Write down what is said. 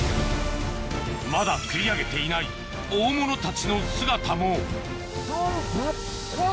・まだ釣り上げていない大物たちの姿も・デッカ！